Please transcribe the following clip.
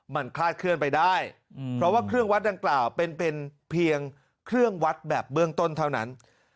มันคลาดเคลื่อนไปได้เพราะว่าเครื่องวัดดังกล่าวเป็นเพียงเครื่องวัดแบบเบื้องต้นเท่านั้น